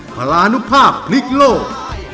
พลานุภาพฤกษ์โลก